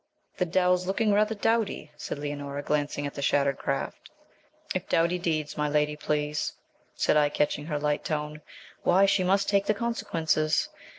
ED. 'The dhow's looking rather dowdy,' said Leonora, glancing at the shattered craft. 'If doughty deeds my lady please,' said I, catching her light tone, 'why, she must take the consequences.